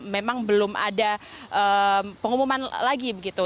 memang belum ada pengumuman lagi begitu